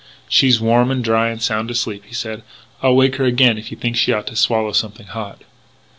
"She's warm and dry and sound asleep," he said. "I'll wake her again if you think she ought to swallow something hot."